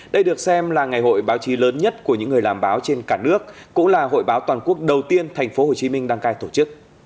đây được xem là ngày hội báo chí lớn nhất của những người làm báo trên cả nước cũng là hội báo toàn quốc đầu tiên tp hcm đăng cai tổ chức